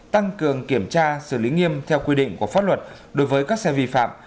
tăng cường kiểm tra xử lý nghiêm theo quy định của pháp luật đối với các xe vi phạm